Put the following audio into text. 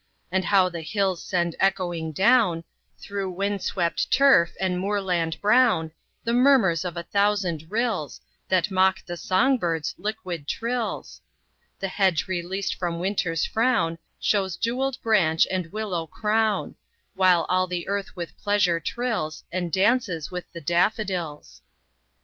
And how the hills send echoing down, Through wind swept turf and moorland brown, The murmurs of a thousand rills That mock the song birds' liquid trills! The hedge released from Winter's frown Shews jewelled branch and willow crown; While all the earth with pleasure trills, And 'dances with the daffodils.